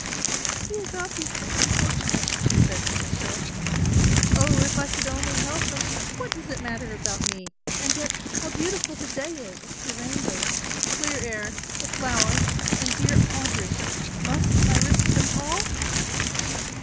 "He is obviously unfortunate," she said to herself, "Oh, if I could only help him, what does it matter about me, and yet how beautiful the day is, the rainbows, the clear air, the flowers and dear Audry; must I risk them all?"